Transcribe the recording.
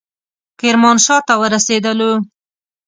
کرمانشاه ته ورسېدلو.